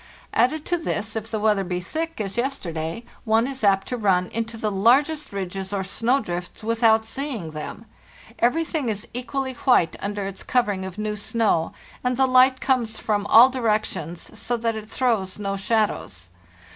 Added to this, if the weather be thick, as yesterday, one is apt to run into the largest ridges or snow drifts without seeing them; every thing is equally white under its covering of new snow, and the light comes from all directions, so that it throws no shadows.